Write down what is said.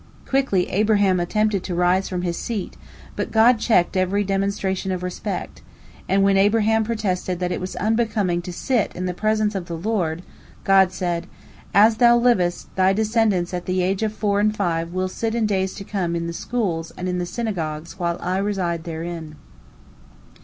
Quickly Abraham attempted to rise from his seat, but God checked every demonstration of respect, and when Abraham protested that it was unbecoming to sit in the presence of the Lord, God said, "As thou livest, thy descendants at the age of four and five will sit in days to come in the schools and in the synagogues while I reside therein."